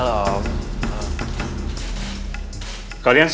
kok pake ruang raymond